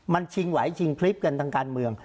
มันชิงไหวชิงคลิปกันทางการเมือง